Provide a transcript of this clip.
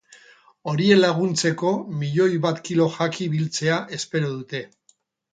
Horiek laguntzeko milioi bat kilo jaki biltzea espero dute.